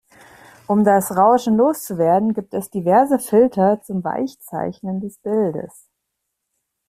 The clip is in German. Um das Rauschen loszuwerden, gibt es diverse Filter zum Weichzeichnen des Bildes.